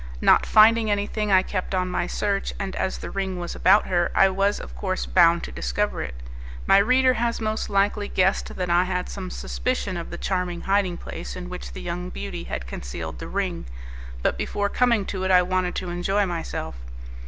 Not finding anything, I kept on my search, and as the ring was about her, I was of course bound to discover it. My reader has most likely guessed that I had some suspicion of the charming hiding place in which the young beauty had concealed the ring, but before coming to it I wanted to enjoy myself.